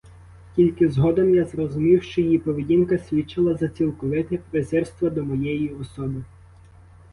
Тільки згодом я зрозумів, що її поведінка свідчила за цілковите презирство до моєї особи.